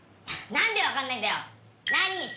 何で分かんないんだよ。